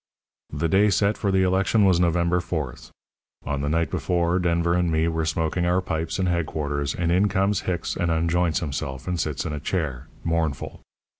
"The day set for the election was November 4th. On the night before Denver and me were smoking our pipes in headquarters, and in comes Hicks and unjoints himself, and sits in a chair, mournful.